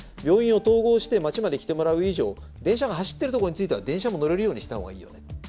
病院を統合して町まで来てもらう以上電車が走ってるとこについては電車も乗れるようにした方がいいよね。